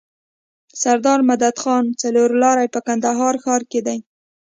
سرداد مدخان څلور لاری په کندهار ښار کي دی.